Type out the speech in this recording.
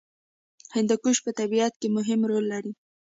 هندوکش په طبیعت کې مهم رول لري.